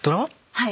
はい。